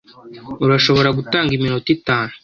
Urashobora gutanga iminota itanu?